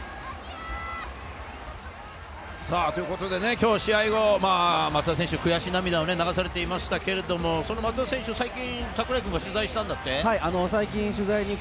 きょうの試合後、松田選手、悔し涙を流されていましたけれども、その松田選手に最近、櫻井君は取材したんだって？